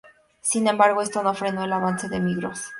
Sin embargo, esto no frenó el avance de Migros.